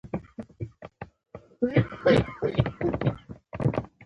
لکه پانوس لکه لمبه لکه محفل د ښکلیو